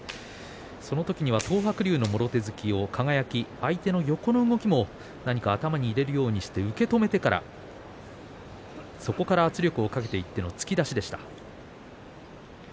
その時は東白龍のもろ手突きを輝相手の横の動きも何か頭に入れるようにして受け止めてからそこから圧力をかけていった突き出しでした。